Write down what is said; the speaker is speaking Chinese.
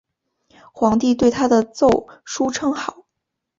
皇帝对他的奏疏称好。